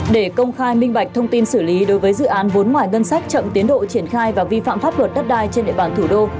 để công khai minh bạch thông tin xử lý đối với dự án vốn ngoài ngân sách chậm tiến độ triển khai và vi phạm pháp luật đất đai trên địa bàn thủ đô